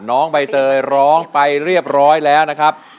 น้องใบเตยร้องไปเรียบร้อยแล้วนะครับ